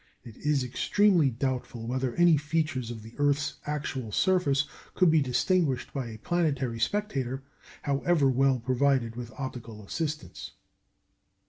It is extremely doubtful whether any features of the earth's actual surface could be distinguished by a planetary spectator, however well provided with optical assistance.